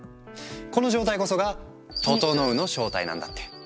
この状態こそが「ととのう」の正体なんだって。